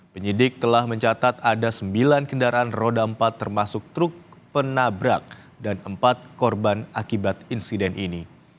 penyidik telah mencatat ada sembilan kendaraan roda empat termasuk truk penabrak dan empat korban akibat insiden ini